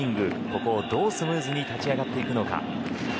ここをどうスムーズに立ち上がっていくか。